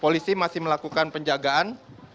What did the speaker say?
polisi masih melakukan penjagaan